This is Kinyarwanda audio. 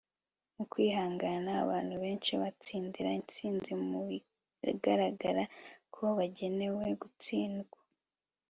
mu kwihangana, abantu benshi batsindira intsinzi mu bigaragara ko bagenewe gutsindwa